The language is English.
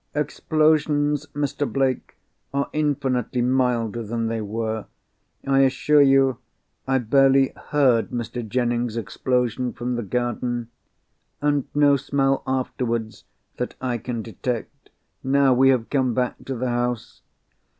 "Explosions, Mr. Blake, are infinitely milder than they were. I assure you, I barely heard Mr. Jennings's explosion from the garden. And no smell afterwards, that I can detect, now we have come back to the house!